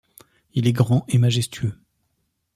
Il est grand et majestueux.